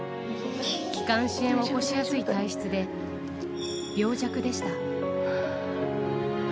気管支炎を起こしやすい体質で、病弱でした。